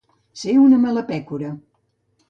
Ser una mala pècora.